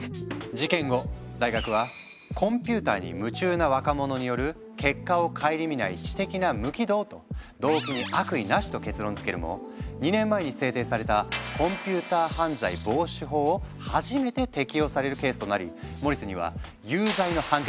事件後大学は「コンピューターに夢中な若者による結果を顧みない知的な無軌道」と動機に悪意なしと結論づけるも２年前に制定されたを初めて適用されるケースとなりモリスには有罪の判決が下った。